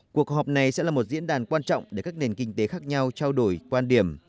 cuộc họp này sẽ là một diễn đàn quan trọng để các nền kinh tế khác nhau trao đổi quan điểm